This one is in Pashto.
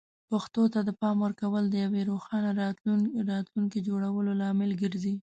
پښتو ته د پام ورکول د یوې روښانه راتلونکې جوړولو لامل ګرځي.